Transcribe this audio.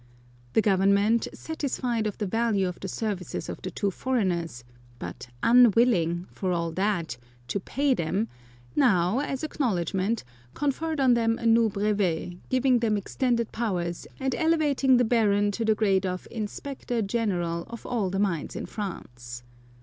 The Government, satisfied of 158 The Baroness de Beausoleil the value of the services of the two foreigners, but unwilling, for all that, to pay them, now, as ac knowledgment, conferred on them a new brevet, giving them extended powers, and elevating the Baron to the grade of Inspector General of all the mines in France.